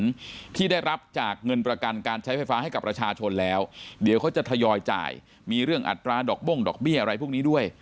ที่ได้รับจากเงินประกันการใช้ไฟฟ้าให้กับประชาชนแล้วเดี๋ยวเขาจะทยอยจ่ายมีเรื่องอัตราดอกบ้งดอกเบี้ยอะไรพวกนี้ด้วย